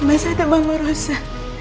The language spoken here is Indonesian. mas ada bang rosa